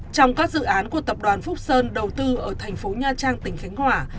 trong các dự án của tập đoàn phúc sơn đầu tư ở thành phố nha trang tỉnh khánh hòa